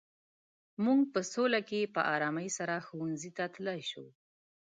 موږ په سوله کې په ارامۍ سره ښوونځي ته تلای شو.